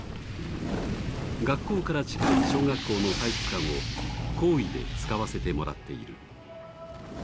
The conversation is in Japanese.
学校から近い小学校の体育館を好意で使わせてもらっている。